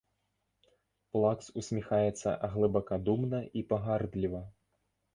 Плакс усміхаецца глыбакадумна і пагардліва.